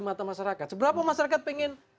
mata masyarakat seberapa masyarakat ingin